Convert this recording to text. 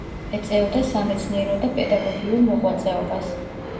ეწეოდა სამეცნიერო და პედაგოგიურ მოღვაწეობას.